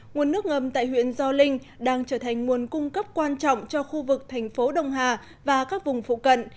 nguồn nước ngầm tại huyện gio linh đang trở thành nguồn cung cấp quan trọng cho khu vực thành phố đông hà và các vùng phụ cận